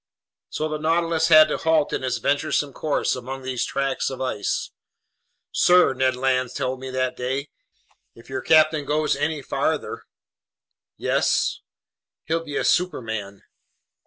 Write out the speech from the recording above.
So the Nautilus had to halt in its venturesome course among these tracts of ice. "Sir," Ned Land told me that day, "if your captain goes any farther ..." "Yes?" "He'll be a superman."